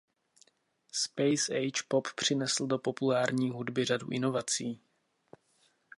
Space age pop přinesl do populární hudby řadu inovací.